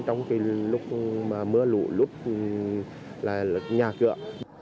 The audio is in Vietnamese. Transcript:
trong cái lúc mà mưa lụ lút là nhà cựa